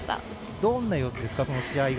どんな様子ですか？